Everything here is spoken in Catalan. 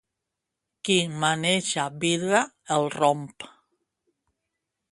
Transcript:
Qui maneja vidre el romp.